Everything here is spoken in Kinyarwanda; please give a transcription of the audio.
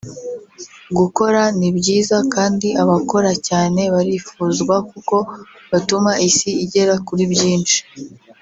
Gukora ni byiza kandi abakora cyane barifuzwa kuko batuma isi igera kuri byinshi